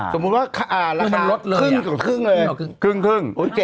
สมมุติว่าราคาละละคึ่งขึ้นเลย